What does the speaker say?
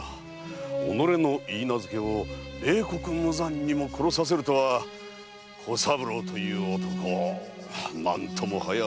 己の許嫁を冷酷無残にも殺させるとは小三郎という男何ともはや。